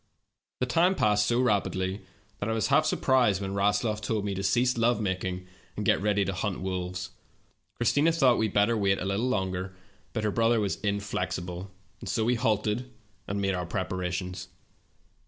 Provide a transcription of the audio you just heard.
The time passed so rapidly that I was half surprised when Rasloff told me to cease love making and get ready to hunt wolves. Chris tina thought we had better wait a little longer, but her brother was inflexible, and so we halted and made our preparations.